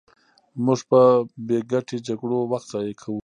موږ په بې ګټې جګړو وخت ضایع کوو.